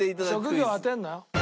職業当てるのよ。